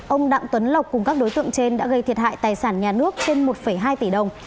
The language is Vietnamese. ông đặng tuấn lộc cùng các đối tượng trên đã gây thiệt hại tài sản nhà nước trên một hai tỷ đồng